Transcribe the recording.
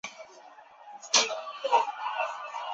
什叶派十二伊玛目派主要集中在霍姆斯。